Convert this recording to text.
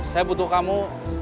saya butuh kamu